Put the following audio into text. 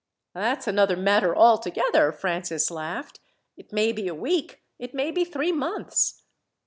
"That's another matter altogether," Francis laughed. "It may be a week, it may be three months."